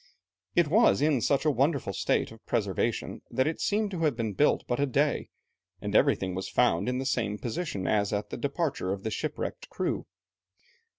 It was in such a wonderful state of preservation that it seemed to have been built but a day, and everything was found in the same position as at the departure of the shipwrecked crew.